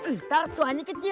ntar tuahnya kecil